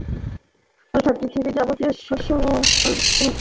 অর্থাৎ পৃথিবীর যাবতীয় শস্য এবং ফল-ফলাদি তোমাদেরকে প্রদান করেছেন।